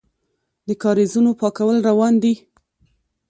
د کاریزونو پاکول روان دي؟